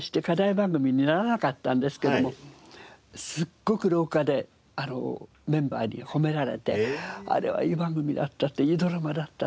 番組にならなかったんですけどもすっごく廊下でメンバーに褒められて「あれはいい番組だった」って「いいドラマだった」。